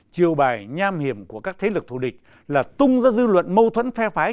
chiều bài nham hiểm của các thế lực thù địch là tung ra dư luận mâu thuẫn phe phái